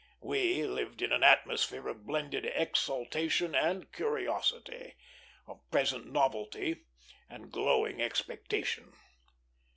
We lived in an atmosphere of blended exaltation and curiosity, of present novelty and glowing expectation.